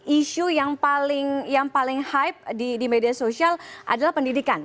isu yang paling hype di media sosial adalah pendidikan